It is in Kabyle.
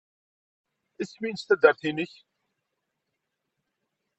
Isem-nnes taddart-nnek?